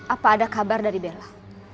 apa ada kabar dari bella